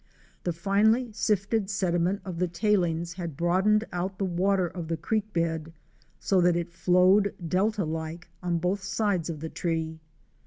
The finely sifted sediment of the tailings had broadened out the water of the creek bed so that it flowed delta ike on both sides of the tree.